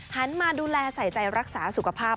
มาดูแลใส่ใจรักษาสุขภาพ